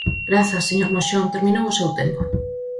Grazas, señor Moxón, terminou o seu tempo.